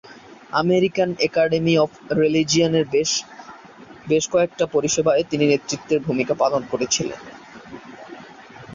American academy of religion এর বেশ কয়েকটি পরিসেবায় তিনি নেতৃত্বে ভূমিকা পালন করেছেন।